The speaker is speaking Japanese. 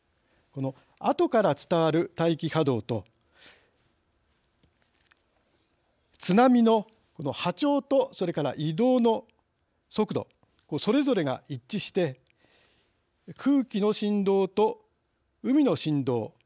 この、あとから伝わる大気波動と津波の波長と移動の速度それぞれが一致して空気の振動と海の振動